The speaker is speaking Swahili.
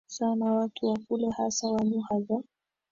sana Watu wa kule hasa wa lugha za